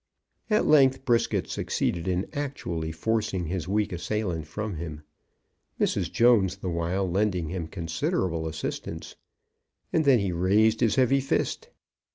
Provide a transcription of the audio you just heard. At length Brisket succeeded in actually forcing his weak assailant from him, Mrs. Jones the while lending him considerable assistance; and then he raised his heavy fist.